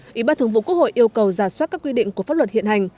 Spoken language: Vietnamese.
ủy ban thường vụ quốc hội yêu cầu giả soát các quy định của pháp luật hiện hành